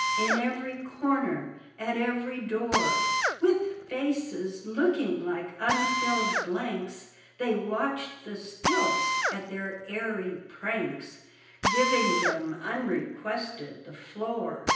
In every corner, at every door, With faces looking like unfilled blanks, They watched the stilts at their airy pranks, Giving them, unrequested, the floor.